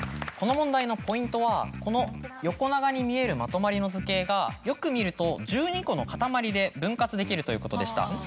この問題のポイントはこの横長に見えるまとまりの図形がよく見ると１２個の塊で分割できるということでした。